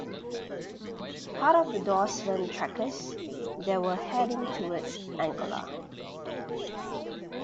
Part of the Dorsland trekkers, they were heading towards Angola.